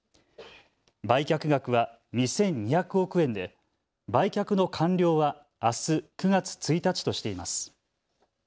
売却額は２２００億円で売却の完了はあす９月１日としています。